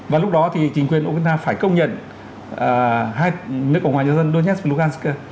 và lúc đó thì chính quyền ukraine phải công nhận hai nước ủng hộ nhà dân donetsk và lugansk